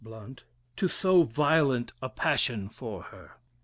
Blount) to so violent a passion for her."